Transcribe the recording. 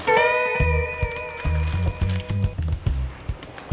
ini lah enak